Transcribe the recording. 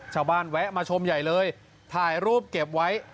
แวะมาชมใหญ่เลยถ่ายรูปเก็บไว้